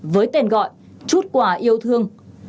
với tên gọi chút quà yêu thương